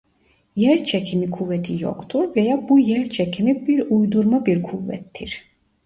Yerçekimi kuvveti yoktur veya bu yerçekimi bir uydurma bir kuvvettir.